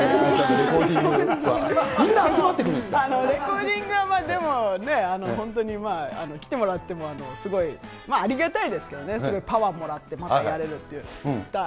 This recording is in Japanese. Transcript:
レコーディングはでもまあね、本当に来てもらってもすごいありがたいですけどね、パワーもらってやれるっていう。